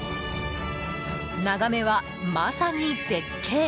眺めは、まさに絶景！